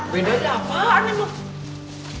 beda aja apaan emang